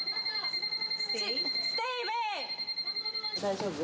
大丈夫？